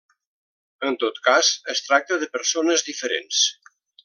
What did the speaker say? En tot cas, es tracta de persones diferents.